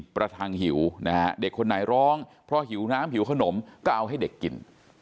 ประทังหิวนะฮะเด็กคนไหนร้องเพราะหิวน้ำหิวขนมก็เอาให้เด็กกิน